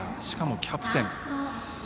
しかも、キャプテン。